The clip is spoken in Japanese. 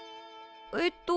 えっと。